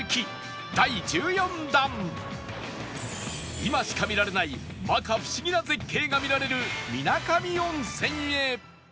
今しか見られない摩訶不思議な絶景が見られる水上温泉へ